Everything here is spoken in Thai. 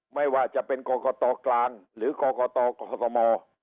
ไม่ว่าจะเป็นกรกตกลางหรือกรกตกม